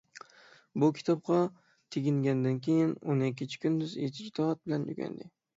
بۇ كىتابقا تېگىنگەندىن كېيىن، ئۇنى كېچە - كۈندۈز ئىجتىھات بىلەن ئۆگەندى.